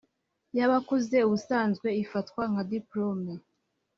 y abakuze ubusanzwe ifatwa nka diporome